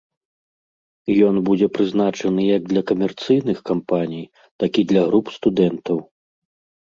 Ён будзе прызначаны як для камерцыйных кампаній, так і для груп студэнтаў.